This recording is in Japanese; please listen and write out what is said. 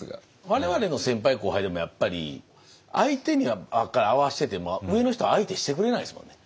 我々の先輩後輩でもやっぱり相手にばっかり合わせてても上の人は相手してくれないですもんね。